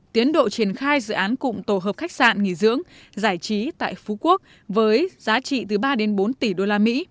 tiến độ triển khai dự án cụm tổ hợp khách sạn nghỉ dưỡng giải trí tại phú quốc với giá trị từ ba đến bốn tỷ usd